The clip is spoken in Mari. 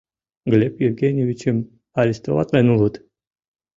Глеб Евгеньевичым арестоватлен улыт...